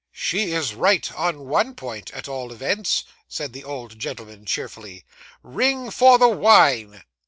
'She is right on one point at all events,' said the old gentleman cheerfully. 'Ring for the wine!